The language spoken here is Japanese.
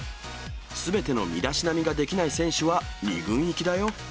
すべての身だしなみができない選手は、２軍行きだよ！